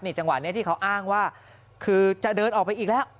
จังหวะนี้ที่เขาอ้างว่าคือจะเดินออกไปอีกแล้ว